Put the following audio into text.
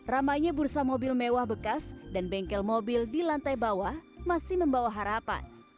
ramainya bursa mobil mewah bekas dan bengkel mobil di lantai bawah masih membawa harapan